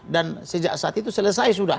dan sejak saat itu selesai sudah